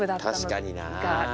確かにな。